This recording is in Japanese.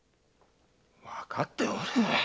わかっておる。